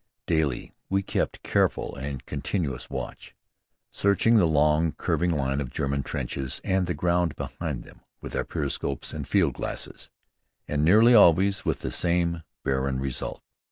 Daily we kept careful and continuous watch, searching the long, curving line of German trenches and the ground behind them with our periscopes and field glasses, and nearly always with the same barren result.